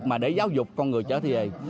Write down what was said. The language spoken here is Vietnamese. mà để giáo dục con người trở về